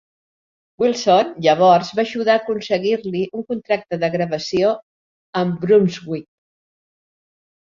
Wilson llavors va ajudar a aconseguir-li un contracte de gravació amb Brunswick.